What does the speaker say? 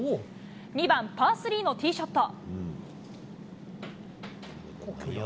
２番パー３のティーショット。